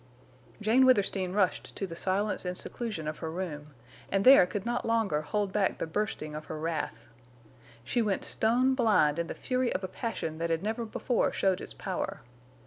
Jane Withersteen rushed to the silence and seclusion of her room, and there could not longer hold back the bursting of her wrath. She went stone blind in the fury of a passion that had never before showed its power.